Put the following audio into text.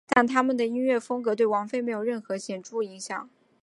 但他们的音乐风格对王菲没有任何显着影响。